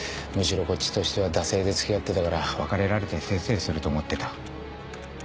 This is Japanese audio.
むしろこっちとしては惰性で付き合ってたから別れられてせいせいすると思ってた。